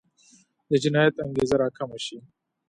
د جنایت انګېزه راکمه شي.